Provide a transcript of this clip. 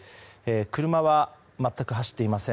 車は全く走っていません。